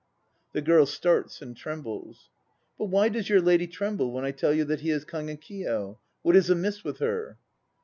(The GIRL starts and trembles.) But why does your lady tremble when I tell you that he is Kagekiyo? What is amiss with her?